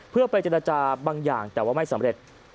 เพื่อไปเจรจาบางอย่างแต่ว่าไม่สำเร็จ